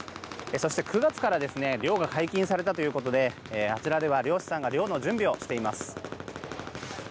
そして、９月から漁が解禁されたということであちらでは漁師さんが漁の準備をしています。